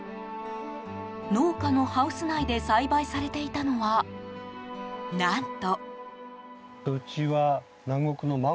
農家のハウス内で栽培されていたのは、何と。